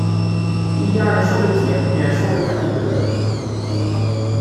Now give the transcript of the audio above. Il y a un champ de tir et un champ de pratique de golf.